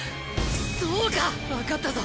そうかわかったぞ！